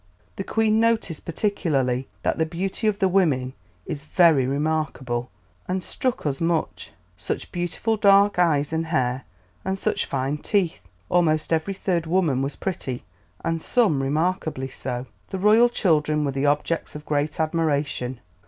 The Queen noticed particularly that "the beauty of the women is very remarkable, and struck us much; such beautiful dark eyes and hair, and such fine teeth; almost every third woman was pretty, and some remarkably so." The royal children were the objects of great admiration.